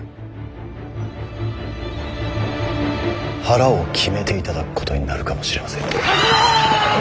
腹を決めていただくことになるかもしれません。